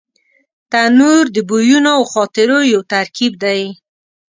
تنور د بویونو او خاطرو یو ترکیب دی